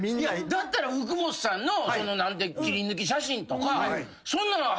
だったら福本さんの切り抜き写真とかそんなん張るやん普通は。